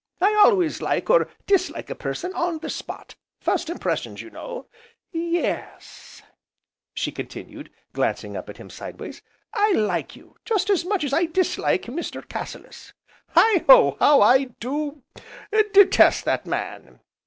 I always like, or dislike a person on the spot, first impressions you know! Y e e s," she continued, glancing up at him side ways, "I like you just as much as I dislike Mr. Cassilis, heigho! how I do detest that man!